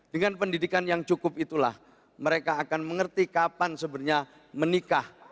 dengan pendidikan yang cukup itulah mereka akan mengerti kapan sebenarnya menikah